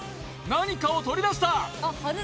何かを取り出した